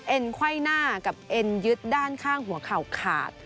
ไขว้หน้ากับเอ็นยึดด้านข้างหัวเข่าขาด